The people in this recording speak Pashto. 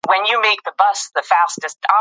افغانستان د یاقوت له پلوه متنوع دی.